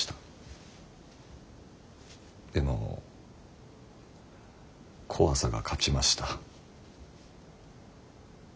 でも怖さが勝ちました。